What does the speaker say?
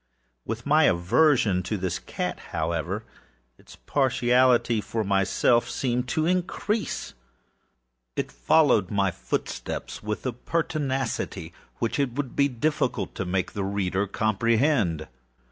With my aversion to this cat, however, its partiality for myself seemed to increase. It followed my footsteps with a pertinacity which it would be difficult to make the reader comprehend.